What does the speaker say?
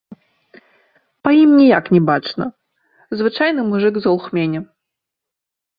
Па ім ніяк не бачна, звычайны мужык з глухмені.